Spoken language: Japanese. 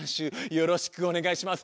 よろしくお願いします。